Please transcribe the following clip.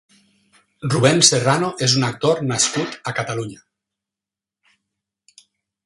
Rubén Serrano és un actor nascut a Catalunya.